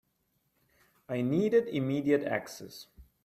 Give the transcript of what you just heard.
I needed immediate access.